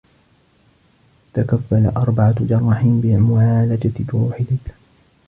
تكفّل أربعة جرّاحين بمعالجة جروح ليلى.